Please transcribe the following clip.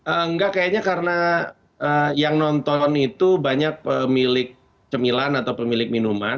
enggak kayaknya karena yang nonton itu banyak pemilik cemilan atau pemilik minuman